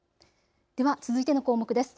では続いての項目です。